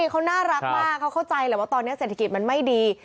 เขาน่ารักมากเขาเข้าใจแหละว่าตอนนี้เศรษฐกิจมันไม่ดี